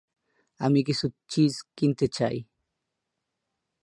আমি কিছু চিজ কিনতে চাই।